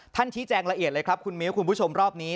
ชี้แจงละเอียดเลยครับคุณมิ้วคุณผู้ชมรอบนี้